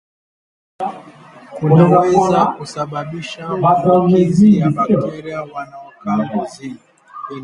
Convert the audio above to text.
kunaweza kusababisha maambukizi ya bakteria wanaokaa ngozini